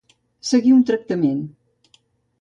Seguir un tractament.